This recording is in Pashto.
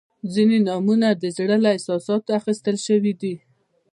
• ځینې نومونه د زړه له احساساتو اخیستل شوي دي.